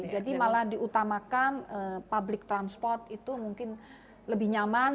jadi malah diutamakan public transport itu mungkin lebih nyaman